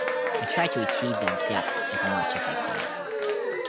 I try to achieve that depth as much as I can.